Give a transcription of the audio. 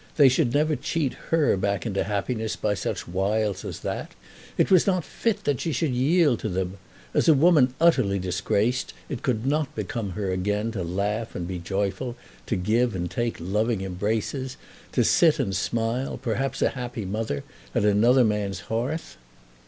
They should never cheat her back into happiness by such wiles as that! It was not fit that she should yield to them. As a woman utterly disgraced it could not become her again to laugh and be joyful, to give and take loving embraces, to sit and smile, perhaps a happy mother, at another man's hearth.